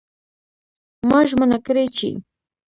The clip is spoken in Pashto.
ما ژمنه کړې چې